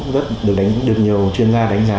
được nhiều chuyên gia đánh giá